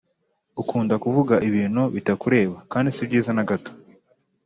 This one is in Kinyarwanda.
ukunda kuvuga ibintu bitakureba kandi sibyiza nagato